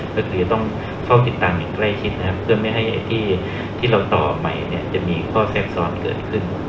ก็คือจะต้องเฝ้าติดตามอย่างใกล้ชิดนะครับเพื่อไม่ให้ที่เราต่อใหม่เนี่ยจะมีข้อแทรกซ้อนเกิดขึ้น